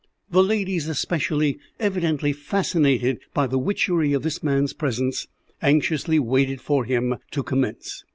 The ladies especially, evidently fascinated by the witchery of this man's presence, anxiously waited for him to commence.